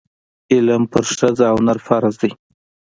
علم په ښځه او نر فرض ده.